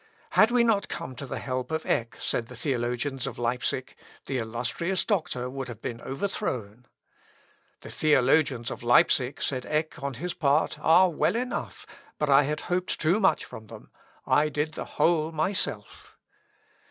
"Had we not come to the help of Eck," said the theologians of Leipsic, "the illustrious doctor would have been overthrown." "The theologians of Leipsic," said Eck on his part, "are well enough, but I had hoped too much from them I did the whole myself."